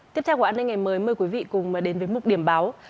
tiếp theo của án đế ngày mới mời quý vị cùng đến với mục điểm báo